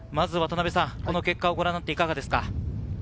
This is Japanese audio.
この結果をご覧になっていかがですか？